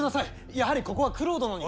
やはりここは九郎殿に。